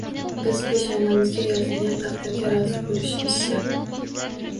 Biz peshonamizga yozilgan taqdirga rozi bo‘lishimiz shart